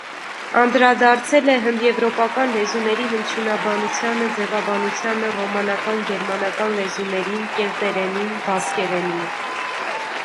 Անդրադարձել է հնդեվրոպական լեզուների հնչյունաբանությանը, ձևաբանությանը, ռոմանական, գերմանական լեզուներին, կելտերենին, բասկերենին։